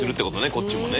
こっちもね